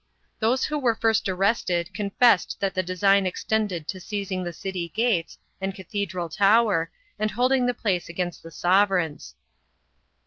Those who were first arrested confessed that the design extended to seizing the city gates and cathedral tower and hold ing the place against the sovereigns.